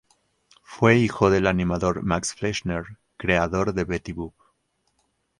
Fue hijo del animador Max Fleischer, creador de Betty Boop.